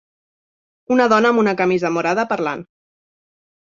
Una dona amb una camisa morada parlant.